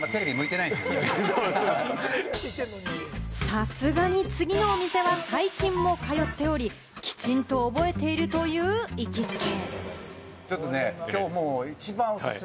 さすがに次のお店は、最近も通っており、きちんと覚えているという行きつけ。